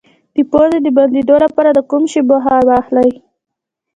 د پوزې د بندیدو لپاره د کوم شي بخار واخلئ؟